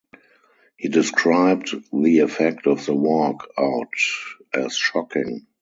He described the effect of the walk-out as "shocking".